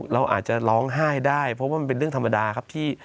เราอาจจะร้องไห้ได้เพราะว่ามันเป็นเรื่องธรรมดาครับที่